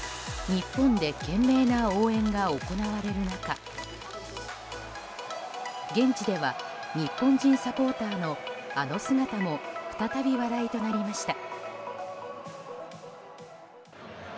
日本で懸命な応援が行われる中現地では日本人サポーターのあの姿も再び話題となりました。